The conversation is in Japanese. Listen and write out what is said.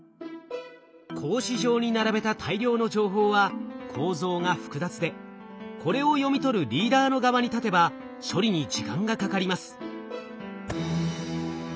格子状に並べた大量の情報は構造が複雑でこれを読み取るリーダーの側に立てば処理に時間がかかります。